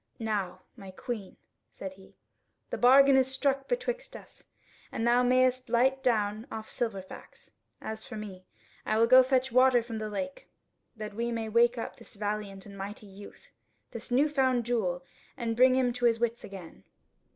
"Now, my Queen," said he, "the bargain is struck betwixt us, and thou mayest light down off Silverfax; as for me, I will go fetch water from the lake, that we may wake up this valiant and mighty youth, this newfound jewel, and bring him to his wits again."